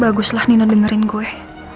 baguslah nino dengerin gue